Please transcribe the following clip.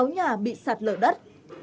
sáu nhà bị sạt lở đất